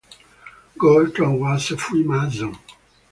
Gorton was a Freemason.